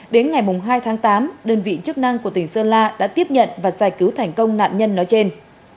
đến ngày hai tháng tám đơn vị chức năng của tỉnh sơn la đã tiếp nhận và giải cứu thành công nạn nhân nói trên